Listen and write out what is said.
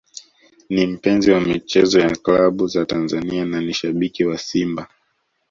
Ni mpenzi wa michezo ya klabu za Tanzania na ni shabiki wa Simba